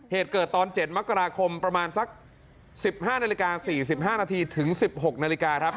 เหตุเกิดตอน๗มกราคมประมาณสัก๑๕นาฬิกา๔๕นาทีถึง๑๖นาฬิกาครับ